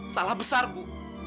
salah besar bu